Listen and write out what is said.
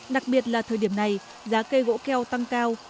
đặc biệt là thời điểm này giá cây gỗ keo tăng cao